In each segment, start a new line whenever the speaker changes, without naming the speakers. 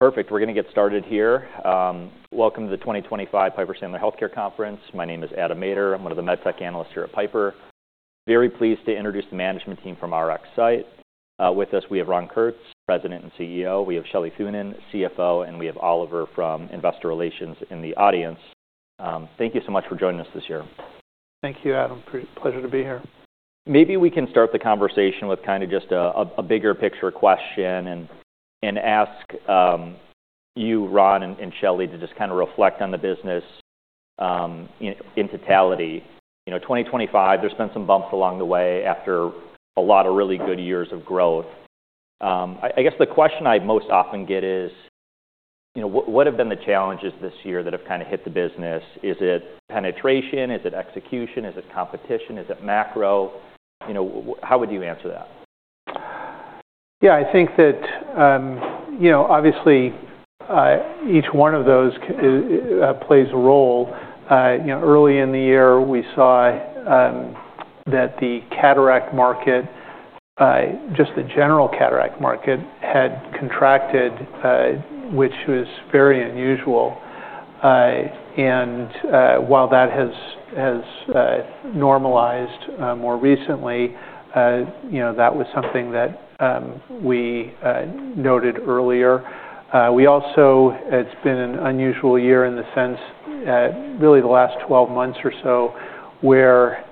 Perfect. We're going to get started here. Welcome to the 2025 Piper Sandler Healthcare Conference. My name is Adam Maeder. I'm one of the med tech analysts here at Piper. Very pleased to introduce the management team from RxSight. With us, we have Ron Kurtz, President and CEO. We have Shelley Thunen, CFO, and we have Oliver from Investor Relations in the audience. Thank you so much for joining us this year.
Thank you, Adam. Pleasure to be here.
Maybe we can start the conversation with kind of just a bigger picture question and ask you, Ron, and Shelley to just kind of reflect on the business in totality. You know, 2025, there's been some bumps along the way after a lot of really good years of growth. I guess the question I most often get is, you know, what have been the challenges this year that have kind of hit the business? Is it penetration? Is it execution? Is it competition? Is it macro? You know, how would you answer that?
Yeah, I think that, you know, obviously, each one of those plays a role. You know, early in the year, we saw that the cataract market, just the general cataract market, had contracted, which was very unusual. And while that has normalized more recently, you know, that was something that we noted earlier. We also, it's been an unusual year in the sense, really the last 12 months or so, where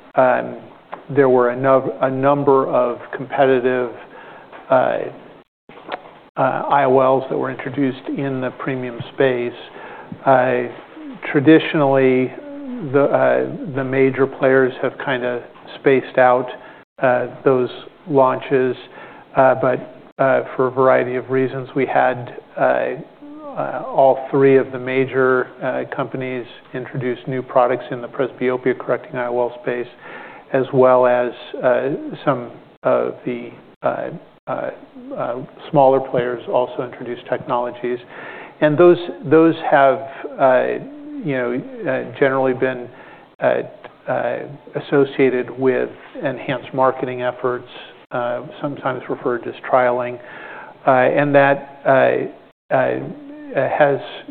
there were a number of competitive IOLs that were introduced in the premium space. Traditionally, the major players have kind of spaced out those launches, but for a variety of reasons, we had all three of the major companies introduce new products in the presbyopia correcting IOL space, as well as some of the smaller players also introduce technologies. And those have, you know, generally been associated with enhanced marketing efforts, sometimes referred to as trialing. And that,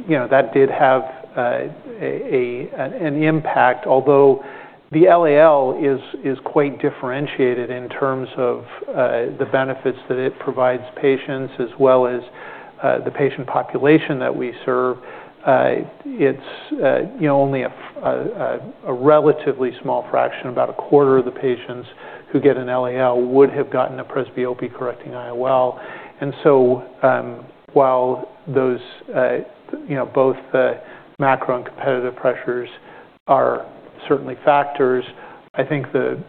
you know, did have an impact, although the LAL is quite differentiated in terms of the benefits that it provides patients as well as the patient population that we serve. It’s, you know, only a relatively small fraction, about a quarter of the patients who get an LAL would have gotten a presbyopia correcting IOL. And so, while those, you know, both the macro and competitive pressures are certainly factors, I think the,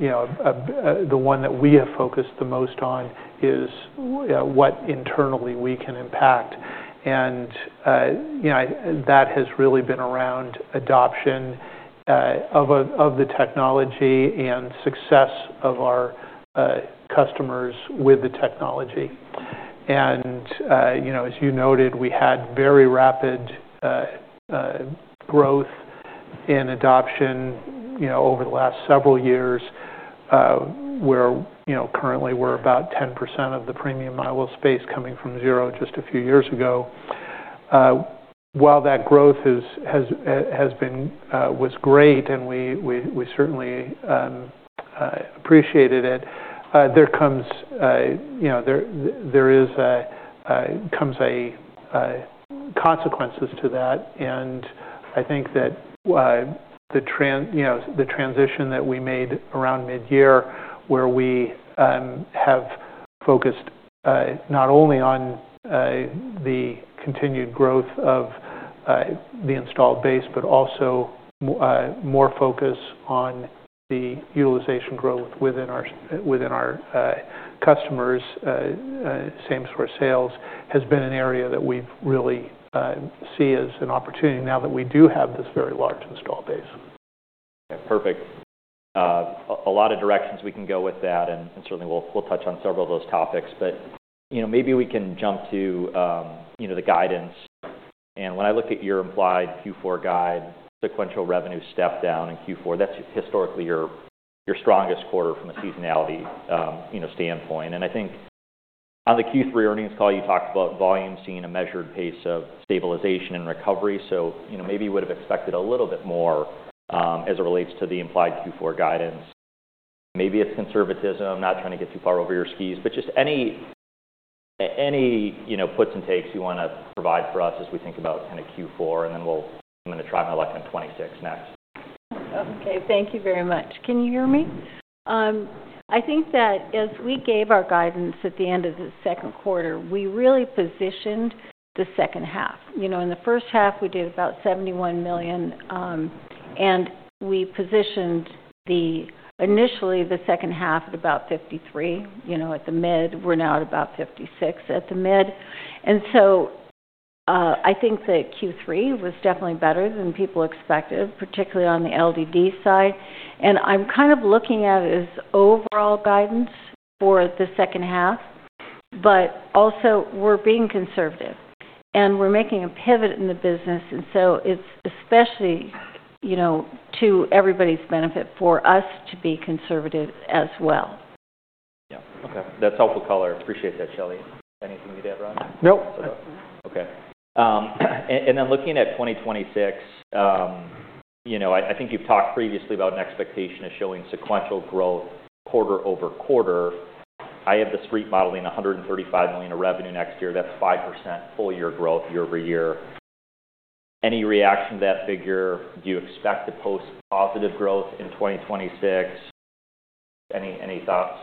you know, the one that we have focused the most on is what internally we can impact. And, you know, that has really been around adoption of the technology and success of our customers with the technology. You know, as you noted, we had very rapid growth in adoption, you know, over the last several years, where, you know, currently we're about 10% of the premium IOL space coming from zero just a few years ago. While that growth has been great, and we certainly appreciated it, there comes a consequence to that. I think that the transition that we made around mid-year where we have focused not only on the continued growth of the installed base, but also more focus on the utilization growth within our customers, same-store sales has been an area that we've really seen as an opportunity now that we do have this very large installed base.
Okay. Perfect. A lot of directions we can go with that, and certainly we'll touch on several of those topics. But you know, maybe we can jump to you know the guidance. And when I looked at your implied Q4 guide, sequential revenue step down in Q4, that's historically your strongest quarter from a seasonality you know standpoint. And I think on the Q3 earnings call, you talked about volume seeing a measured pace of stabilization and recovery. So you know, maybe you would have expected a little bit more, as it relates to the implied Q4 guidance. Maybe it's conservatism, not trying to get too far over your skis, but just any you know puts and takes you want to provide for us as we think about kind of Q4. And then I'm going to try my luck on 26 next.
Okay. Thank you very much. Can you hear me? I think that as we gave our guidance at the end of the second quarter, we really positioned the second half. You know, in the first half, we did about $71 million, and we positioned the initially the second half at about $53 million. You know, at the mid, we're now at about $56 million at the mid. And so, I think that Q3 was definitely better than people expected, particularly on the LDD side. And I'm kind of looking at it as overall guidance for the second half, but also we're being conservative, and we're making a pivot in the business. And so it's especially, you know, to everybody's benefit for us to be conservative as well.
Yeah. Okay. That's helpful color. Appreciate that, Shelley. Anything you'd add, Ron?
Nope.
Okay. And then looking at 2026, you know, I think you've talked previously about an expectation of showing sequential growth quarter over quarter. I have the street modeling $135 million of revenue next year. That's 5% full-year growth YoY. Any reaction to that figure? Do you expect to post positive growth in 2026? Any thoughts?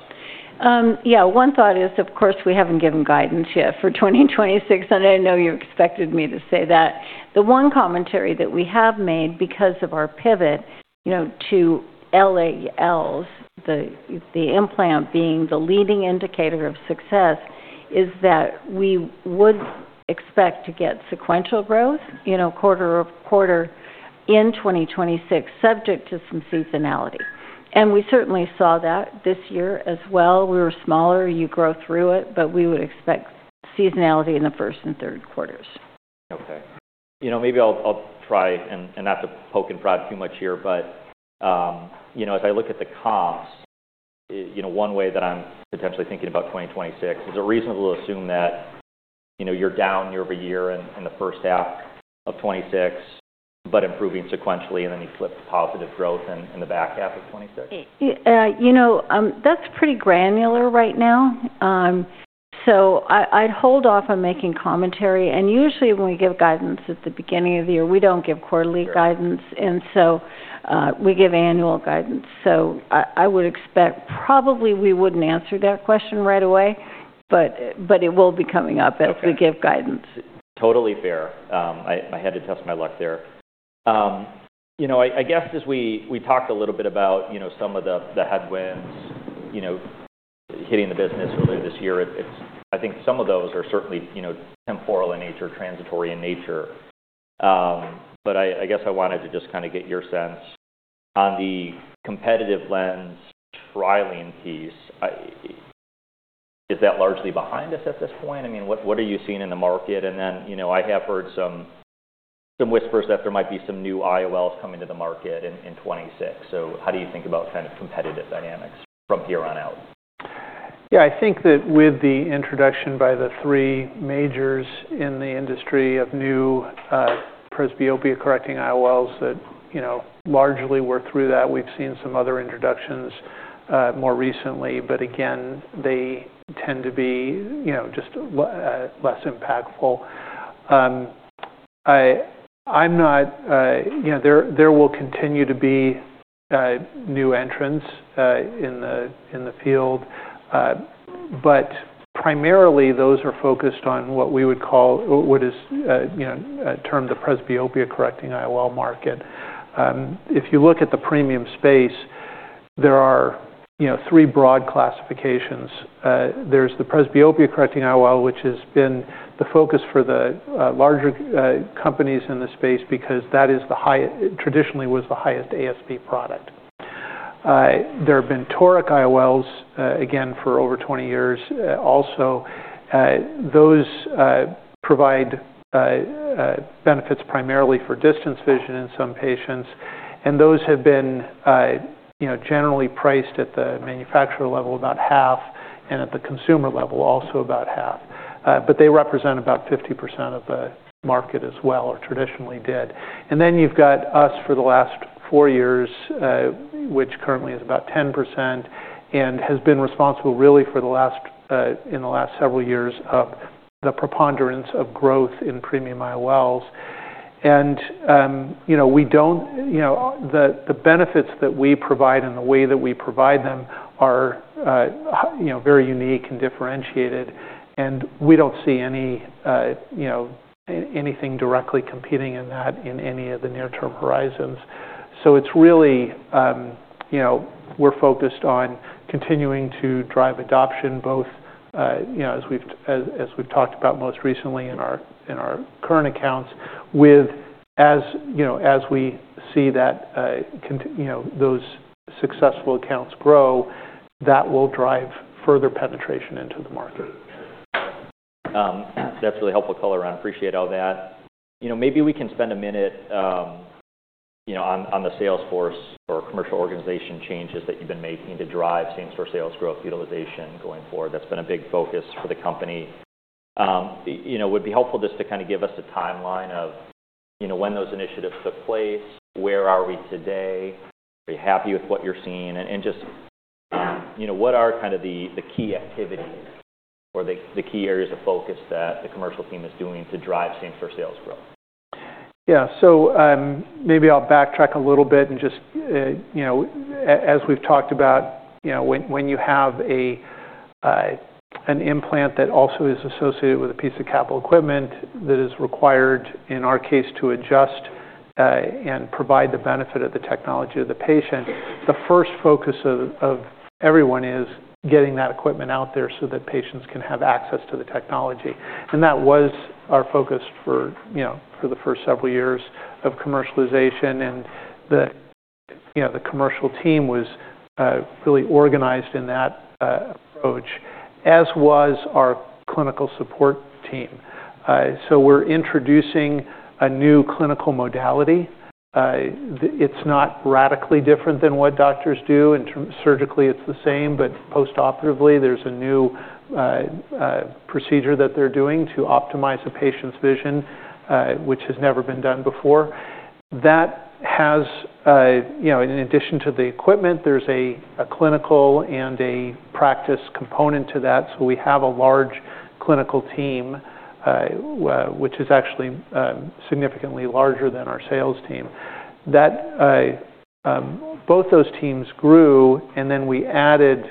Yeah. One thought is, of course, we haven't given guidance yet for 2026, and I know you expected me to say that. The one commentary that we have made because of our pivot, you know, to LALs, the implant being the leading indicator of success, is that we would expect to get sequential growth, you know, quarter over quarter in 2026, subject to some seasonality, and we certainly saw that this year as well. We were smaller. You grow through it, but we would expect seasonality in the first and third quarters.
Okay. You know, maybe I'll try and not to poke and prod too much here, but you know, as I look at the comps, you know, one way that I'm potentially thinking about 2026, is it reasonable to assume that, you know, you're down YoY in the first half of 2026, but improving sequentially, and then you flip to positive growth in the back half of 2026?
Yeah. You know, that's pretty granular right now. So I, I'd hold off on making commentary. And usually when we give guidance at the beginning of the year, we don't give quarterly guidance. And so, we give annual guidance. So I would expect probably we wouldn't answer that question right away, but it will be coming up as we give guidance.
Totally fair. I had to test my luck there, you know. I guess as we talked a little bit about, you know, some of the headwinds, you know, hitting the business earlier this year, it's, I think, some of those are certainly, you know, temporal in nature, transitory in nature. But I guess I wanted to just kind of get your sense on the competitive lens trialing piece. Is that largely behind us at this point? I mean, what are you seeing in the market? And then, you know, I have heard some whispers that there might be some new IOLs coming to the market in 2026. So how do you think about kind of competitive dynamics from here on out?
Yeah. I think that with the introduction by the three majors in the industry of new presbyopia correcting IOLs that, you know, largely we're through that. We've seen some other introductions, more recently, but again, they tend to be, you know, just less impactful. I'm not, you know, there will continue to be new entrants in the field. But primarily those are focused on what we would call, what is, you know, termed the presbyopia correcting IOL market. If you look at the premium space, there are, you know, three broad classifications. There's the presbyopia correcting IOL, which has been the focus for the larger companies in the space because that is the high traditionally was the highest ASB product. There have been toric IOLs, again, for over 20 years. Also, those provide benefits primarily for distance vision in some patients. And those have been, you know, generally priced at the manufacturer level about half and at the consumer level also about half. But they represent about 50% of the market as well or traditionally did. And then you've got us for the last four years, which currently is about 10% and has been responsible really in the last several years of the preponderance of growth in premium IOLs. And, you know, we don't, you know, the benefits that we provide and the way that we provide them are, you know, very unique and differentiated, and we don't see any, you know, anything directly competing in that in any of the near-term horizons. It's really, you know, we're focused on continuing to drive adoption both, you know, as we've talked about most recently in our current accounts with, you know, as we see that, you know, those successful accounts grow, that will drive further penetration into the market.
That's really helpful color. I appreciate all that. You know, maybe we can spend a minute, you know, on, on the sales force or commercial organization changes that you've been making to drive same-store sales growth utilization going forward. That's been a big focus for the company. You know, would be helpful just to kind of give us a timeline of, you know, when those initiatives took place, where are we today, are you happy with what you're seeing, and, and just, you know, what are kind of the, the key activities or the, the key areas of focus that the commercial team is doing to drive same-store sales growth?
Yeah. So, maybe I'll backtrack a little bit and just, you know, as we've talked about, you know, when you have an implant that also is associated with a piece of capital equipment that is required in our case to adjust, and provide the benefit of the technology to the patient, the first focus of everyone is getting that equipment out there so that patients can have access to the technology. And that was our focus for, you know, for the first several years of commercialization. And the, you know, the commercial team was really organized in that approach, as was our clinical support team. So we're introducing a new clinical modality. That it's not radically different than what doctors do in terms of surgery, it's the same, but postoperatively, there's a new procedure that they're doing to optimize a patient's vision, which has never been done before. That has, you know, in addition to the equipment, there's a clinical and a practice component to that. So we have a large clinical team, which is actually significantly larger than our sales team. That both those teams grew, and then we added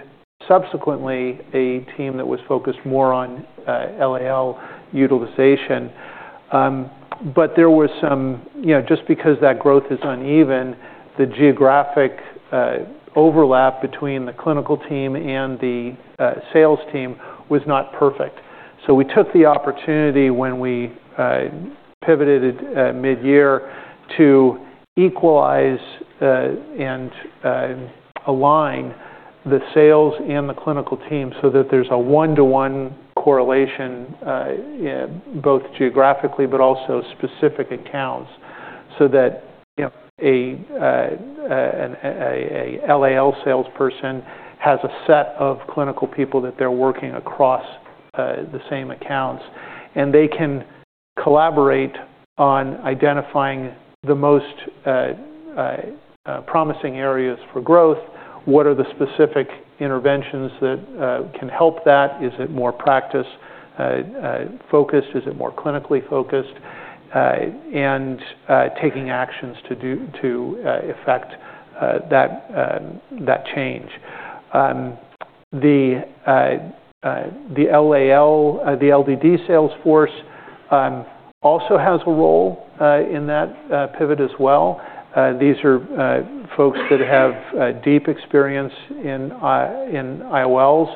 subsequently a team that was focused more on LAL utilization. But there were some, you know, just because that growth is uneven, the geographic overlap between the clinical team and the sales team was not perfect. So we took the opportunity when we pivoted at mid-year to equalize and align the sales and the clinical team so that there's a one-to-one correlation, both geographically but also specific accounts so that, you know, a LAL salesperson has a set of clinical people that they're working across the same accounts, and they can collaborate on identifying the most promising areas for growth. What are the specific interventions that can help that? Is it more practice focused? Is it more clinically focused? And taking actions to affect that change. The LAL, the LDD sales force also has a role in that pivot as well. These are folks that have deep experience in IOLs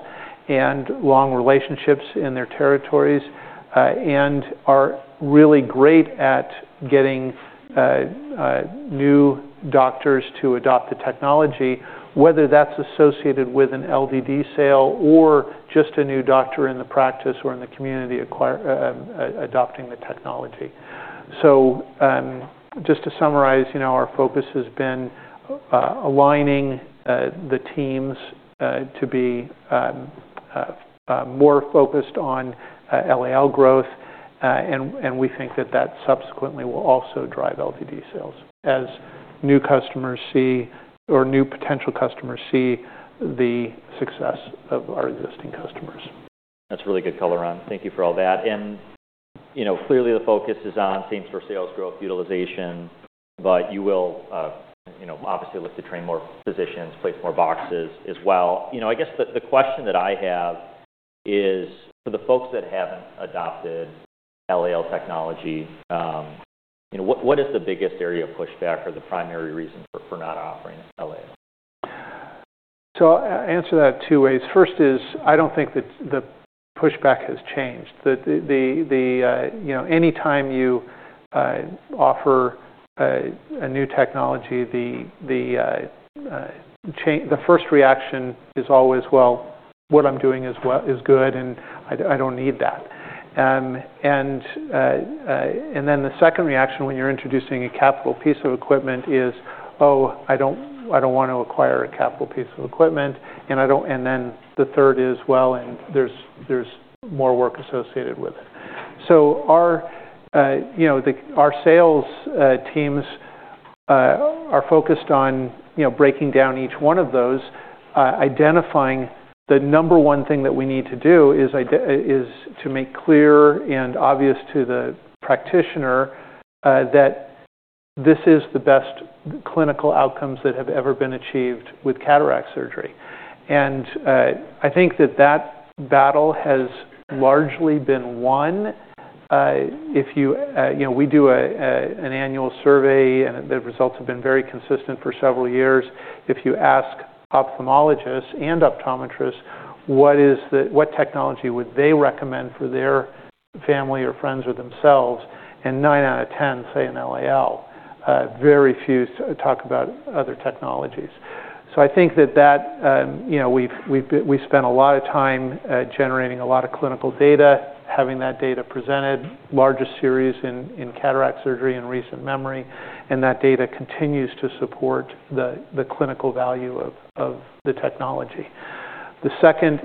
and long relationships in their territories, and are really great at getting new doctors to adopt the technology, whether that's associated with an LDD sale or just a new doctor in the practice or in the community adopting the technology. So, just to summarize, you know, our focus has been aligning the teams to be more focused on LAL growth. And we think that subsequently will also drive LDD sales as new customers see or new potential customers see the success of our existing customers.
That's really good color, Ron. Thank you for all that, and you know, clearly the focus is on same-store sales growth utilization, but you will, you know, obviously look to train more physicians, place more boxes as well. You know, I guess the question that I have is, for the folks that haven't adopted LAL technology, you know, what is the biggest area of pushback or the primary reason for not offering LAL?
So I'll answer that two ways. First is, I don't think that the pushback has changed. You know, anytime you offer a new technology, the first reaction is always, "Well, what I'm doing is good, and I don't need that." And then the second reaction when you're introducing a capital piece of equipment is, "Oh, I don't wanna acquire a capital piece of equipment, and I don't." And then the third is, "Well, and there's more work associated with it." So our, you know, our sales teams are focused on, you know, breaking down each one of those, identifying the number one thing that we need to do is to make clear and obvious to the practitioner that this is the best clinical outcomes that have ever been achieved with cataract surgery. I think that battle has largely been won. If you know, we do an annual survey, and the results have been very consistent for several years. If you ask ophthalmologists and optometrists, what technology would they recommend for their family or friends or themselves? Nine out of 10 say an LAL. Very few talk about other technologies. I think that, you know, we've spent a lot of time generating a lot of clinical data, having that data presented, largest series in cataract surgery in recent memory, and that data continues to support the clinical value of the technology. The second,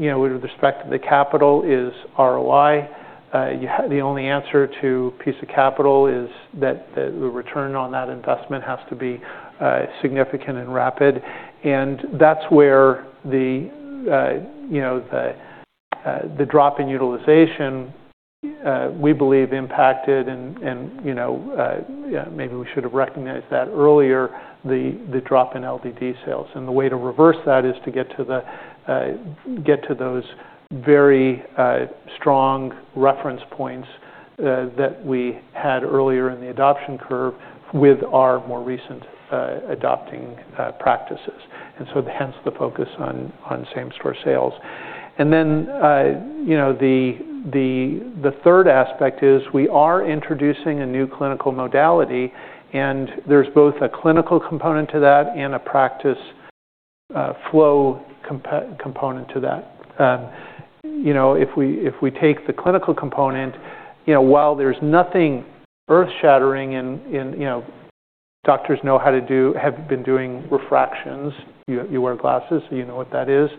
you know, with respect to the capital is ROI. You have the only answer to a piece of capital is that the return on that investment has to be significant and rapid. And that's where, you know, the drop in utilization, we believe, impacted and, you know, maybe we should have recognized that earlier, the drop in LDD sales. And the way to reverse that is to get to those very strong reference points that we had earlier in the adoption curve with our more recent adopting practices. And so hence the focus on same-store sales. And then, you know, the third aspect is we are introducing a new clinical modality, and there's both a clinical component to that and a practice flow component to that. You know, if we take the clinical component, you know, while there's nothing earth-shattering in it, you know, doctors know how to do. Have been doing refractions. You wear glasses, so you know what that is,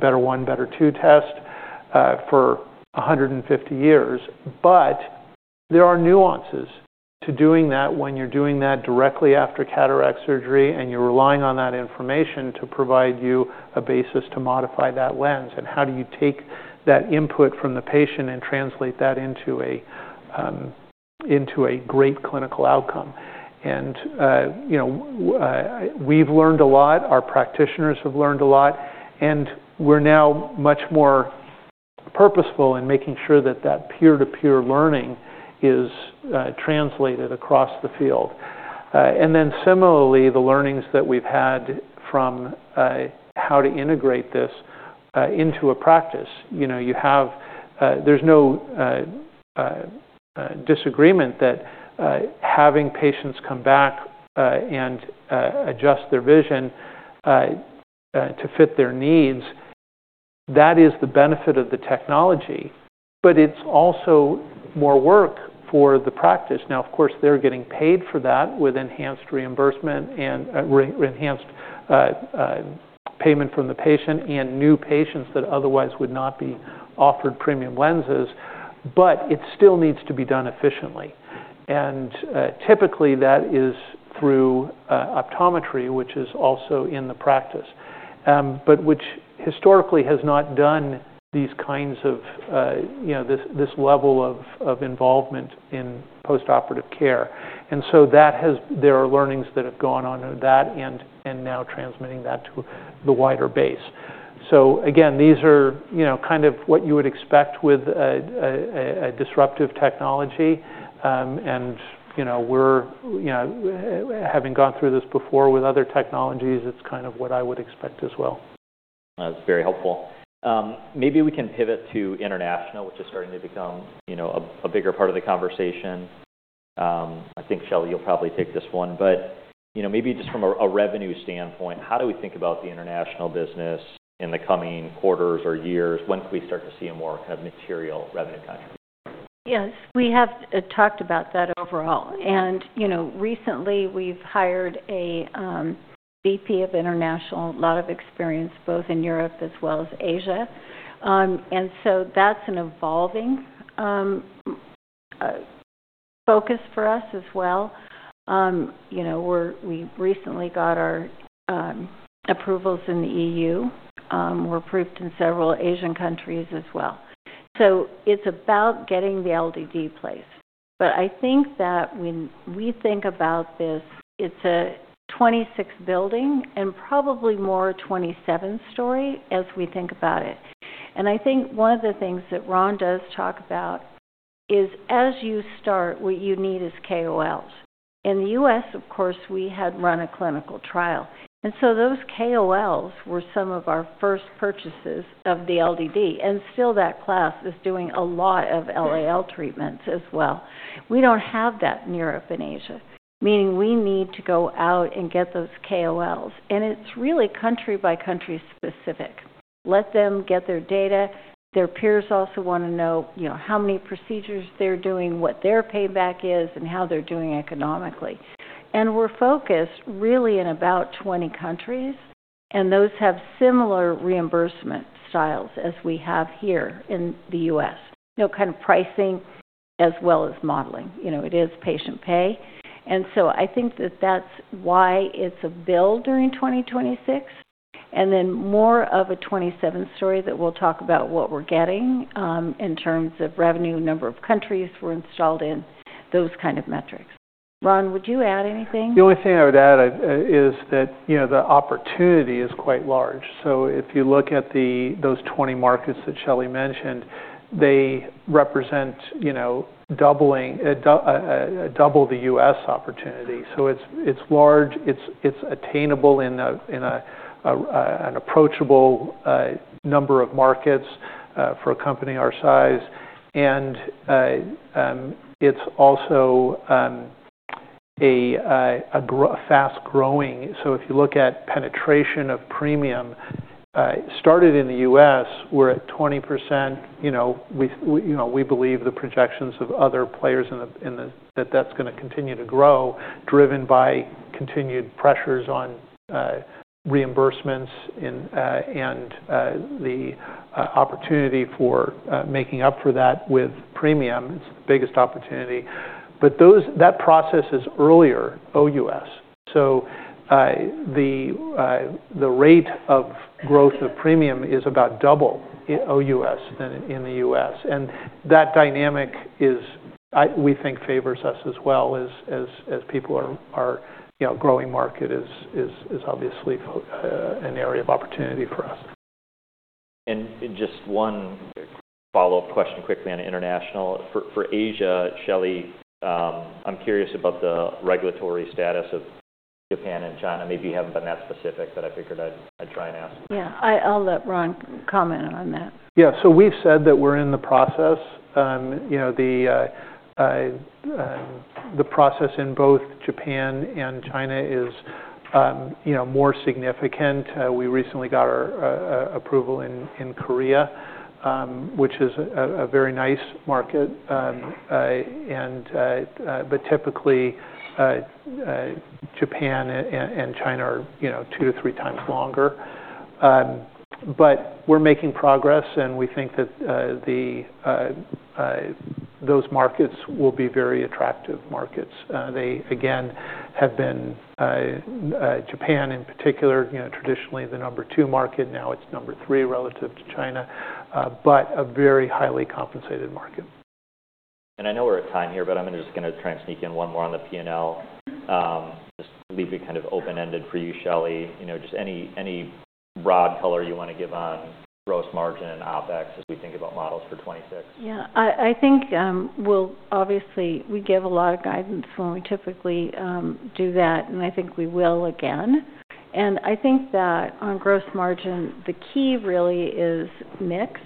better one, better two test, for 150 years. But there are nuances to doing that when you're doing that directly after cataract surgery, and you're relying on that information to provide you a basis to modify that lens. And how do you take that input from the patient and translate that into a great clinical outcome? You know, we've learned a lot. Our practitioners have learned a lot, and we're now much more purposeful in making sure that that peer-to-peer learning is translated across the field. And then similarly, the learnings that we've had from how to integrate this into a practice. You know, there's no disagreement that having patients come back and adjust their vision to fit their needs. That is the benefit of the technology, but it's also more work for the practice. Now, of course, they're getting paid for that with enhanced reimbursement and enhanced payment from the patient and new patients that otherwise would not be offered premium lenses, but it still needs to be done efficiently. Typically, that is through optometry, which is also in the practice, but which historically has not done these kinds of, you know, this level of involvement in post-operative care. And so there are learnings that have gone on to that, and now transmitting that to the wider base. Again, these are, you know, kind of what you would expect with a disruptive technology. and, you know, we're, you know, having gone through this before with other technologies, it's kind of what I would expect as well.
That's very helpful. Maybe we can pivot to international, which is starting to become, you know, a bigger part of the conversation. I think, Shelley, you'll probably take this one. But, you know, maybe just from a revenue standpoint, how do we think about the international business in the coming quarters or years? When can we start to see a more kind of material revenue contribution?
Yes. We have talked about that overall and you know, recently, we've hired a VP of International, a lot of experience both in Europe as well as Asia and so that's an evolving focus for us as well. You know, we recently got our approvals in the EU. We're approved in several Asian countries as well so it's about getting the LDD placed but I think that when we think about this, it's a $26 billion and probably more $27 billion story as we think about it and I think one of the things that Ron does talk about is as you start what you need is KOLs. In the U.S., of course, we had run a clinical trial and so those KOLs were some of our first purchases of the LDD and still that class is doing a lot of LAL treatments as well. We don't have that in Europe and Asia, meaning we need to go out and get those KOLs, and it's really country-by-country specific. Let them get their data. Their peers also wanna know, you know, how many procedures they're doing, what their payback is, and how they're doing economically, and we're focused really in about 20 countries, and those have similar reimbursement styles as we have here in the U.S., you know, kind of pricing as well as modeling. You know, it is patient pay, and so I think that that's why it's a build during 2026 and then more of a 2027 story that we'll talk about what we're getting, in terms of revenue, number of countries we're installed in, those kind of metrics. Ron, would you add anything?
The only thing I would add is that, you know, the opportunity is quite large. So if you look at those 20 markets that Shelley mentioned, they represent, you know, doubling double the U.S. opportunity. So it's large. It's attainable in an approachable number of markets for a company our size. And it's also a fast-growing. So if you look at penetration of premium started in the U.S., we're at 20%. You know, we believe the projections of other players in the industry that that's gonna continue to grow, driven by continued pressures on reimbursements in and the opportunity for making up for that with premium. It's the biggest opportunity. But that process is earlier OUS. So the rate of growth of premium is about double OUS than in the U.S. And that dynamic is, we think, favors us as well as people are, you know, growing market is obviously an area of opportunity for us.
Just one follow-up question quickly on international. For Asia, Shelley, I'm curious about the regulatory status of Japan and China. Maybe you haven't been that specific, but I figured I'd try and ask.
Yeah. I'll let Ron comment on that.
Yeah. So we've said that we're in the process, you know. The process in both Japan and China is, you know, more significant. We recently got our approval in Korea, which is a very nice market, but typically Japan and China are, you know, two to three times longer, but we're making progress, and we think that those markets will be very attractive markets. They again have been. Japan in particular, you know, traditionally the number two market. Now it's number three relative to China, but a very highly compensated market.
I know we're at time here, but I'm just gonna try and sneak in one more on the P&L. Just leave it kind of open-ended for you, Shelley. You know, just any, any broad color you wanna give on gross margin and OpEx as we think about models for 2026.
Yeah. I think we'll obviously give a lot of guidance when we typically do that, and I think we will again. And I think that on gross margin, the key really is mix.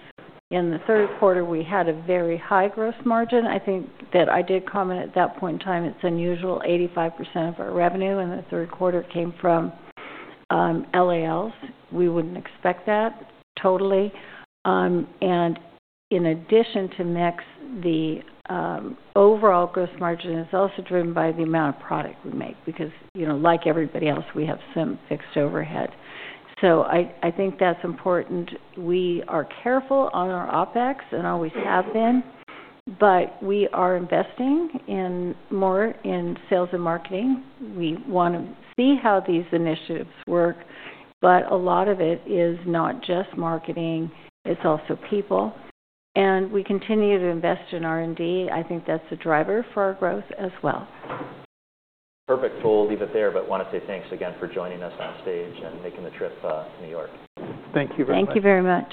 In the third quarter, we had a very high gross margin. I think I did comment at that point in time, it's unusual, 85% of our revenue in the third quarter came from LALs. We wouldn't expect that totally. And in addition to mix, the overall gross margin is also driven by the amount of product we make because, you know, like everybody else, we have some fixed overhead. So I think that's important. We are careful on our OpEx and always have been, but we are investing in more in sales and marketing. We wanna see how these initiatives work, but a lot of it is not just marketing. It's also people. We continue to invest in R&D. I think that's a driver for our growth as well.
Perfect. We'll leave it there, but wanna say thanks again for joining us on stage and making the trip to New York.
Thank you very much.
Thank you very much.